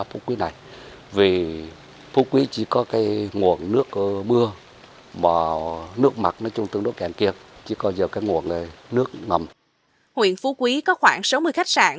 huyện phú quý có khoảng sáu mươi khách sạn